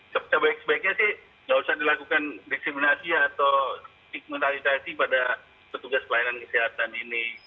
sebaik sebaiknya sih nggak usah dilakukan diskriminasi atau stigmentalisasi pada petugas pelayanan kesehatan ini